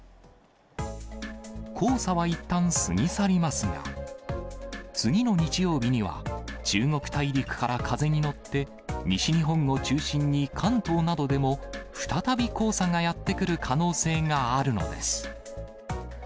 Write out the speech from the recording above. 黄砂はいったん過ぎ去りますが、次の日曜日には中国大陸から風に乗って、西日本を中心に関東などでも再び黄砂がやって来る可能性があるのです。